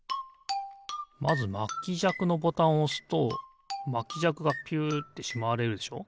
まずまきじゃくのボタンをおすとまきじゃくがピュッてしまわれるでしょ。